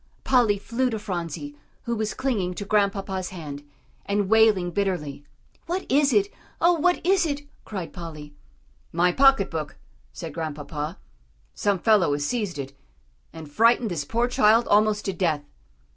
Polly flew to Phronsie, who was clinging to Grandpapa's hand, and wailing bitterly. "What is it? Oh! what is it?" cried Polly. "My pocket book," said Grandpapa; "some fellow has seized it, and frightened this poor child almost to death."